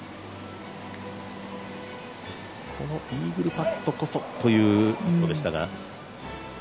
このイーグルパットこそということでしたが。